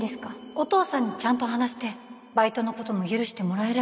お父さんにちゃんと話してバイトのことも許してもらえれば